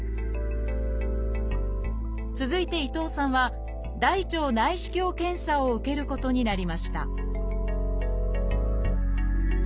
続いて伊藤さんは「大腸内視鏡検査」を受けることになりました